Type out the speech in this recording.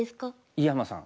井山さん。